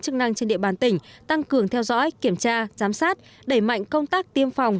chức năng trên địa bàn tỉnh tăng cường theo dõi kiểm tra giám sát đẩy mạnh công tác tiêm phòng